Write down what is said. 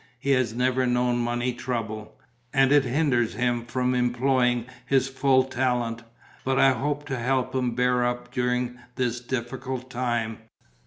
He has never known money trouble. And it hinders him from employing his full talent. But I hope to help him bear up during this difficult time.